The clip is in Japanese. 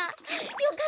よかった！